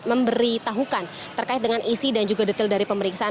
pemeriksaan yang ditahukan terkait dengan isi dan juga detail dari pemeriksaan